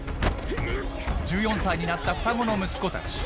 １４歳になった双子の息子たち。